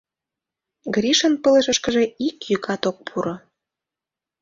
Гришын пылышышкыже ик йӱкат ок пуро.